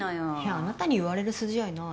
あなたに言われる筋合いない。